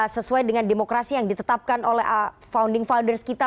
sesuai dengan demokrasi yang ditetapkan oleh founding fathers kita